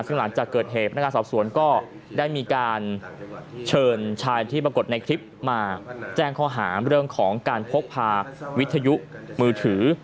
ซึ่งหลังจากเกิดเหตุพนักงานสอบสวนก็ได้มีการเชิญชายที่ปรากฏในคลิปมาแจ้งข้อหาเรื่องของการพกพาวิทยุมือถือ